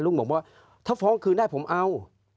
บอกว่าถ้าฟ้องคืนได้ผมเอา